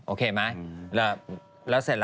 โอเคไหมแล้วเสร็จแล้ว